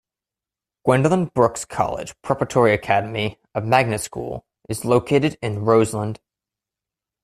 Gwendolyn Brooks College Preparatory Academy, a magnet school, is located in Roseland.